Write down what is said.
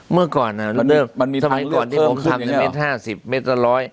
เมื่อก่อนอะทำไมก่อนที่ผมทำจะเมตร๕๐เมตร๑๐๐